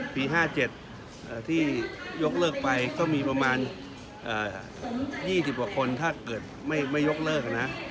ปี๕๗ที่ยกเลิกไปก็มีประมาณ๒๐กว่าคนถ้าเกิดไม่ยกเลิกนะ